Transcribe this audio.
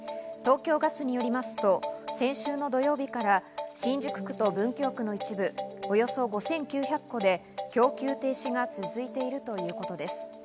東京ガスによりますと、先週の土曜日から新宿区と文京区の一部およそ５９００戸で、供給停止が続いているということです。